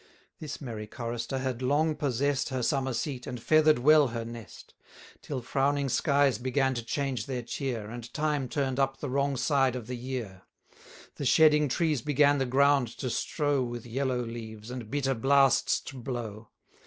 This merry chorister had long possess'd Her summer seat, and feather'd well her nest: Till frowning skies began to change their cheer, And time turn'd up the wrong side of the year; The shedding trees began the ground to strow With yellow leaves, and bitter blasts to blow.